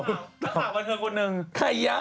แล้วถามวันเธอคนหนึ่งใครน่ะ